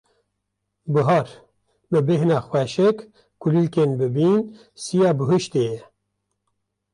Bihar; bi bêhna xweşik, kulîlkên bibîn, siya bihuştê ye.